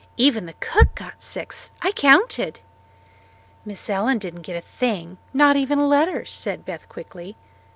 "Even the cook got six I counted." "Miss Allen didn't get a thing not even a letter," said Beth quickly.